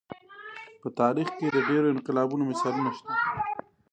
په تاریخ کې د ډېرو انقلابونو مثالونه شته.